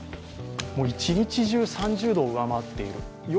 一日中３０度を上回っている。